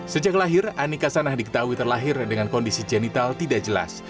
sejak lahir ani kasanah diketahui terlahir dengan kondisi jenital tidak jelas